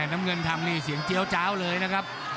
น้ำเงินทำนี่เสียงเจี๊ยวเจ้าเลยนะครับ